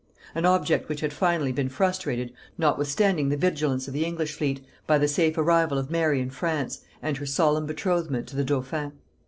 An object which had finally been frustrated, notwithstanding the vigilance of the English fleet, by the safe arrival of Mary in France, and her solemn betrothment to the dauphin.